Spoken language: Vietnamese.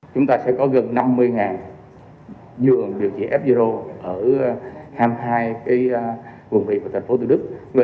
chúng ta sẽ có gần năm mươi dường điều trị f zero ở hai mươi hai quận vị và tp tq